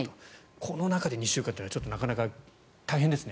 この中で２週間というのはなかなか大変ですよね。